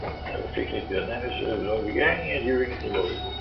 It was frequented by members of the Lowry Gang during the Lowry War.